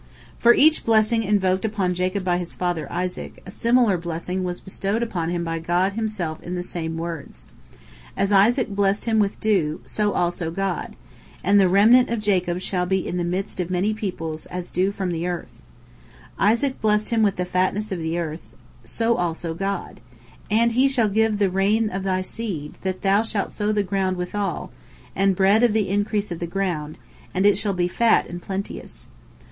For each blessing invoked upon Jacob by his father Isaac, a similar blessing was bestowed upon him by God Himself in the same words. As Isaac blessed him with dew, so also God: "And the remnant of Jacob shall be in the midst of many peoples as dew from the Lord." Isaac blessed him with the fatness of the earth, so also God: "And he shall give the rain of thy seed, that thou shalt sow the ground withal; and bread of the increase of the ground, and it shall be fat and plenteous."